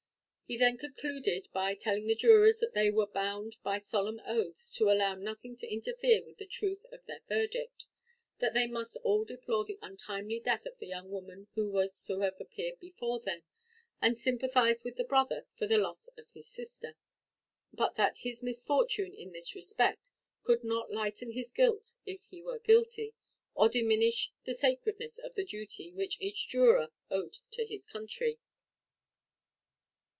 He then concluded by telling the jurors that they were bound by solemn oaths to allow nothing to interfere with the truth of their verdict that they must all deplore the untimely death of the young woman who was to have appeared before them, and sympathise with the brother for the loss of his sister but that his misfortune in this respect, could not lighten his guilt if he were guilty, or diminish the sacredness of the duty which each juror owed to his country.